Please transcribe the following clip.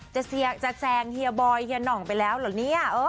จะแซงเฮียบอยเฮียหน่องไปแล้วเหรอเนี่ย